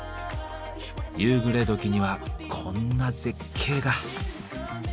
夕暮れ時にはこんな絶景が。